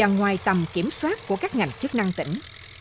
ngoài tầm kiểm soát của các ngành chức năng tỉnh